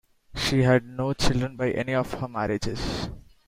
She had no children by any of her marriages.